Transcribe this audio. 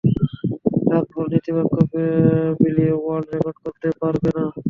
রাতভর নীতিবাক্য বিলিয়ে world record করতে পারবে না।